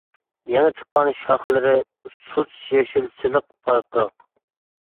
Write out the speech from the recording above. يېڭى چىققان شاخلىرى سۇس يېشىل، سىلىق پارقىراق.